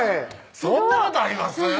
そんなことあります？